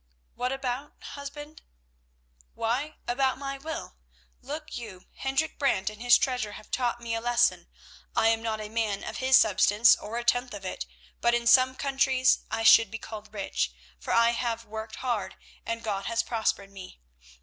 "What about, husband?" "Why, about my will. Look you, Hendrik Brant and his treasure have taught me a lesson. I am not a man of his substance, or a tenth of it, but in some countries I should be called rich, for I have worked hard and God has prospered me.